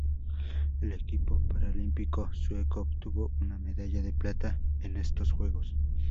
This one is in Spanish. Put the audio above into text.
El equipo paralímpico sueco obtuvo una medalla de plata en estos Juegos.